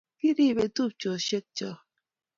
Kiripei tupcheshek choo